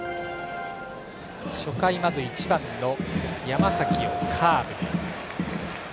初回、１番の山崎をカーブ。